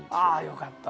よかった。